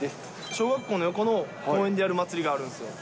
小学校の横の公園でやる祭りがあるんすよ。